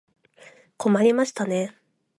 困りましたね。